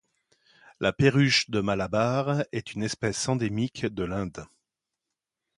La perruche de Malabar est une espèce endémique de l'Inde.